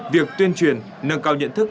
việc tuyên truyền nâng cao nhận thức